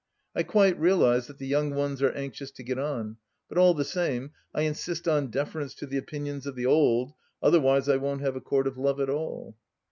I quite realize that the young ones are anxious to get on, but all the same, I insist on deference to the opinions of the old, otherwise I won't have a Court of Love at all.